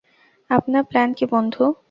আপনার প্ল্যান কী, বন্ধু?